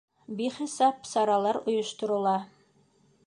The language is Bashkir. Бихисап саралар ойошторола.